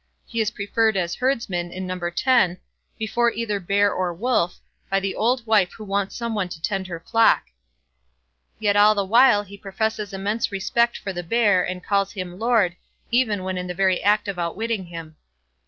He is preferred as Herdsman, in No. x, before either Bear or Wolf, by the old wife who wants some one to tend her flock. Yet all the while he professes immense respect for the Bear, and calls him "Lord", even when in the very act of outwitting him.